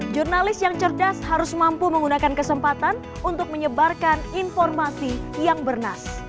jurnalis yang cerdas harus mampu menggunakan kesempatan untuk menyebarkan informasi yang bernas